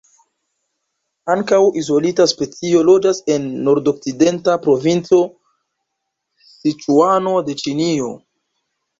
Ankaŭ izolita specio loĝas en nordokcidenta provinco Siĉuano de Ĉinio.